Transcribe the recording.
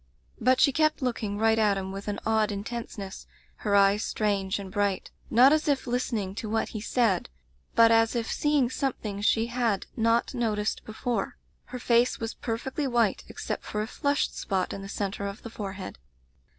"But she kept looking right at him with an odd intentness, her eyes strange and bright; not as if listening to what he said, but as if seeing something she had not no ticed before. Her face was perfectly white, except for a flushed spot in the centre of the forehead.